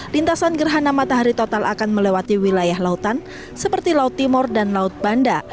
lintasan gerhana matahari total akan melewati wilayah lautan seperti laut timur dan laut banda